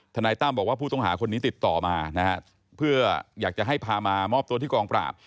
นายตั้มบอกว่าผู้ต้องหาคนนี้ติดต่อมานะฮะเพื่ออยากจะให้พามามอบตัวที่กองปราบ